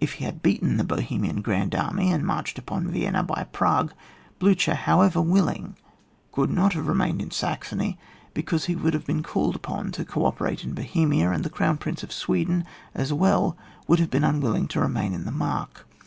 If he had beaten the Bohe main grand army, and marched upon Vienna by Prague, BlUcher, however wUling, could not have remained in Saxony, because he would have been called upon to co operate in Bohemia, and the Crown Prince of Sweden as well would have been un^dUing to remain in the Mark.